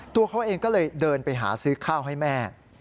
ตัวเขาเองก็เลยเดินไปหาซื้อข้าวให้แม่